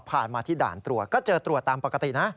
มาที่ด่านตรวจก็เจอตรวจตามปกตินะ